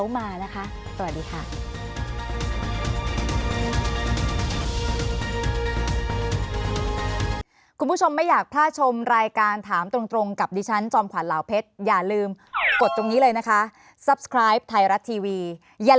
วันนี้อย่าลืมคุณผู้ชมมีนัดกับผู้ชายอีกหนึ่งคนในไทยรัฐนิวส์โชว์